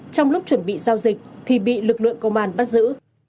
trong lúc chuẩn bị giao dịch thì bị lực lượng công an bắt giữ